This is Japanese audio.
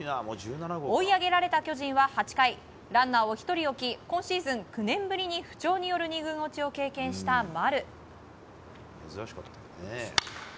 追い上げられた巨人は８回ランナーを１人置き今シーズン９年ぶりに不調による２軍落ちを経験した丸。